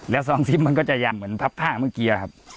แล้วซองซิปมันก็จะยาวเหมือนพับผ้าเมื่อกี้